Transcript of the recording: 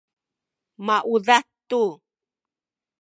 maudad tu